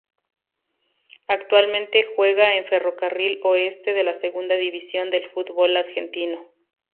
Actualmente juega en Ferrocarril Oeste de la Segunda División del Fútbol Argentino.